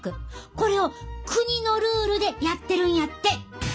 これを国のルールでやってるんやって！